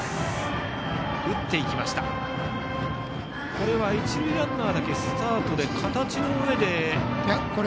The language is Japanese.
これは一塁ランナーだけスタートで形の上で。